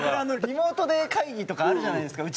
リモートで会議とかあるじゃないですか。